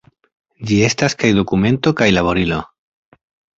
Ĝi estas kaj dokumento kaj laborilo.